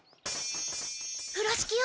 風呂敷を。